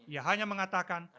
ia hanya mengatakan